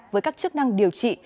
với các chức năng điều trị